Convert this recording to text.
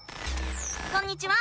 こんにちは！